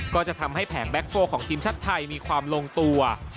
ก็จะทำให้แผงแบ็คโฟของทีมชาติไทยมีความลงตัว